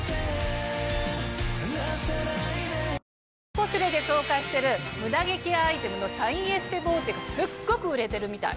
『ポシュレ』で紹介してるムダ毛ケアアイテムのシャインエステボーテがすっごく売れてるみたい！